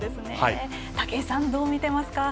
武井さん、どう見てますか。